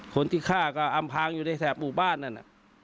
คนที่ฆ่าก็อำภังอยู่ในแสบบูบ้านนั่น